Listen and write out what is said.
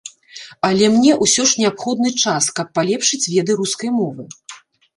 Але мне ўсё ж неабходны час, каб палепшыць веды рускай мовы.